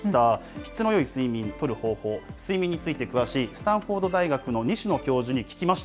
質のよい睡眠をとる方法、睡眠について詳しいスタンフォード大学の西野教授に聞きました。